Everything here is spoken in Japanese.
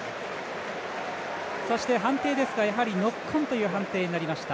そして、判定ですがノックオンという判定になりました。